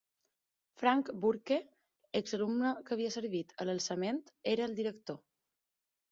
Frank Burke, exalumne que havia servit a l'alçament, era el director.